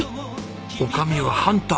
女将はハンター。